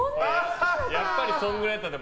やっぱりそれくらいだったんだ。